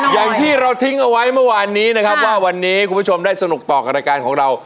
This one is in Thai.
อย่างที่เราทิ้งเอาไว้เมื่อวานนี้นะครับว่าวันนี้คุณผู้ชมได้สนุกต่อกับรายการของเรา